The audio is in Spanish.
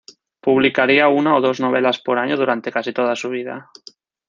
Publicaría una o dos novelas por año durante casi toda su vida.